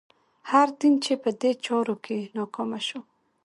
هر دین چې په دې چارو کې ناکامه شو.